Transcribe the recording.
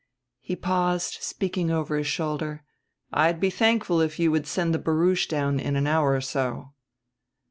He paused, speaking over his shoulder: "I'd be thankful if you would send the barouche down in an hour or so."